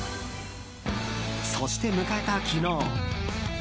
そして迎えた昨日。